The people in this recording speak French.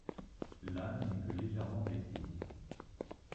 Lane n'est que légèrement blessé.